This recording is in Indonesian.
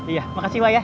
iya makasih wah ya